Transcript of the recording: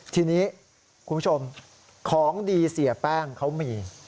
ทีนี้คุณผู้ชมของดีเสียแป้งเขามี